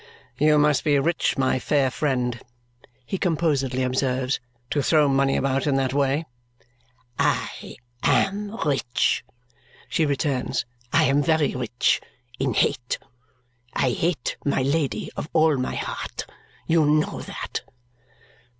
"You must be rich, my fair friend," he composedly observes, "to throw money about in that way!" "I AM rich," she returns. "I am very rich in hate. I hate my Lady, of all my heart. You know that."